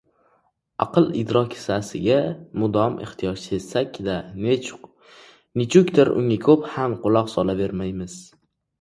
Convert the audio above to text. • Aql-idrok sasiga mudom ehtiyoj sezsak-da, nechukdir unga ko‘p ham quloq solavermaymiz.